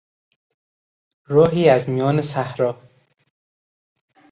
راهی از میان صحرا